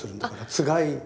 つがいあ！